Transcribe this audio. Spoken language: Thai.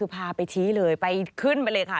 พาไปชี้เลยไปขึ้นไปเลยค่ะ